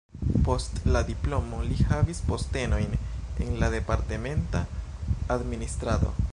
Post la diplomo li havis postenojn en la departementa administrado.